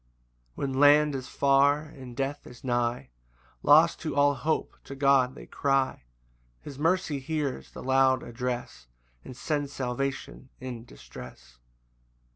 4 When land is far, and death is nigh, Lost to all hope, to God they cry; His mercy hears the loud address, And sends salvation in distress.